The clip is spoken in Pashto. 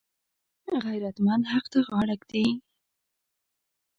غیرتمند حق ته غاړه ږدي